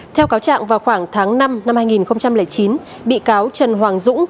theo cáo trạng vào khoảng tháng năm năm hai nghìn chín bị cáo trần hoàng dũng